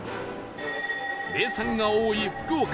名産が多い福岡